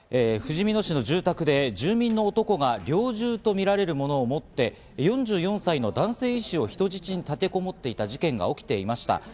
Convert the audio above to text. ふじみ野市の住宅で住民の男が猟銃とみられるものを持って、４４歳の男性医師を人質に立てこもっていた事件が起きていました。